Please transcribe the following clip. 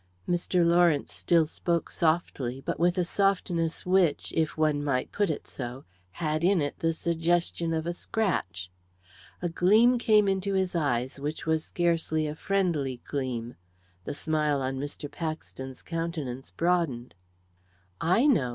Mr. Lawrence still spoke softly, but with a softness which, if one might put it so, had in it the suggestion of a scratch. A gleam came into his eyes which was scarcely a friendly gleam. The smile on Mr. Paxton's countenance broadened. "I know!